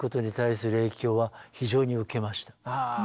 ああ。